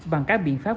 bằng các biện pháp